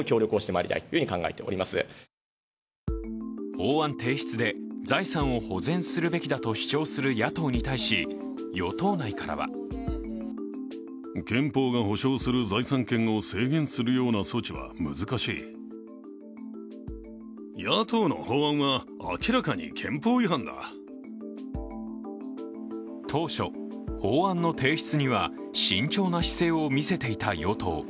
法案提出で財産を保全するべきだと主張する野党に対し与党内からは当初、法案の提出には慎重な姿勢を見せていた与党。